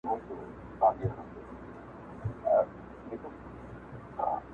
څوک به لیکي پر کیږدیو ترانې د دنګو ښکلیو -